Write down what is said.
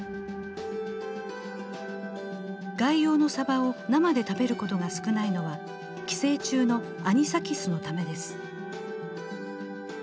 外洋のサバを生で食べることが少ないのは寄生虫のアニサキスのためです。